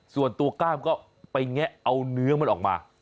กล้ามก็ไปแงะเอาเนื้อมันออกมา